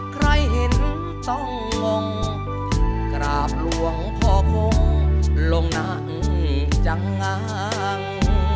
ใครเห็นต้องงงกราบหลวงพ่อคงลงนั่งจังงาง